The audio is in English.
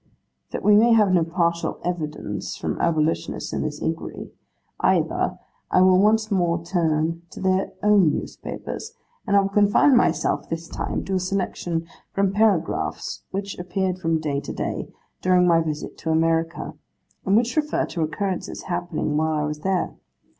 That we may have no partial evidence from abolitionists in this inquiry, either, I will once more turn to their own newspapers, and I will confine myself, this time, to a selection from paragraphs which appeared from day to day, during my visit to America, and which refer to occurrences happening while I was there.